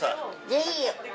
ぜひ。